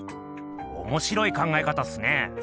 おもしろい考え方っすね。